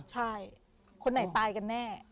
ใช่คนไหนตายกันแน่